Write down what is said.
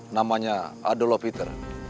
namanya adelo peter